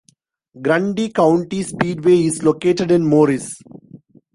Grundy County Speedway is located in Morris.